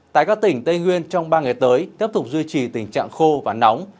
tại các tỉnh tây nguyên trong ba ngày tới tiếp tục duy trì tình trạng khô và nóng